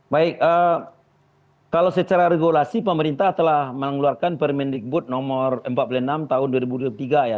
baik kalau secara regulasi pemerintah telah mengeluarkan permendikbud nomor empat puluh enam tahun dua ribu dua puluh tiga ya